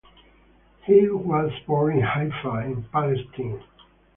He was born in Haifa in Palestine.